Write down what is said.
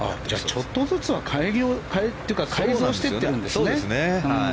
ちょっとずつは改造していっているんですね。